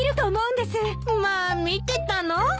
まあ見てたの？